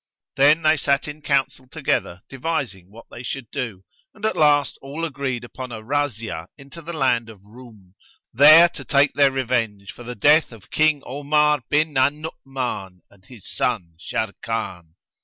Then they sat in counsel together devising what they should do, and at last all agreed upon a razzia into the land of Roum there to take their revenge for the death of King Omar bin al Nu'uman and his son Sharrkan.